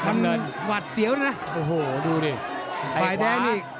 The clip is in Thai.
มันหวัดเสียวนะฮะโอ้โหดูดิ